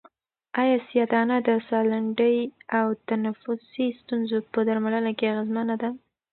آیا سیاه دانه د سالنډۍ او تنفسي ستونزو په درملنه کې اغېزمنه ده؟